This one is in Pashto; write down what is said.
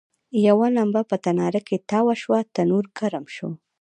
یوه لمبه په تناره کې تاوه شوه، تنور ګرم شو.